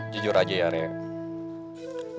jujur aja ya rere